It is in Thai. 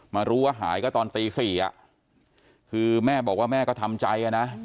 มารู้ว่าหายก็ตอนตี๔คือแม่บอกว่าแม่ก็ทำใจนะ